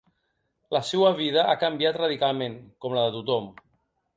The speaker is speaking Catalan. La seua vida ha canviat radicalment, com la de tothom.